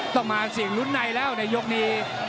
ต้องมาเสี่ยงลุ้นในแล้วในยกนี้